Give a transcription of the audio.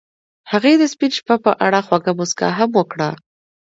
هغې د سپین شپه په اړه خوږه موسکا هم وکړه.